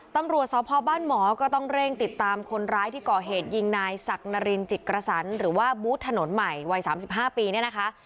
ตำรวจสพบ้านหมอก็ต้องเร่งติดตามคนร้ายที่ก่อเหตุยิงนายศักดิ์นารินจิกกระสันหรือว่าบูธถนนใหม่วัย๓๕ปีเนี่ยนะคะ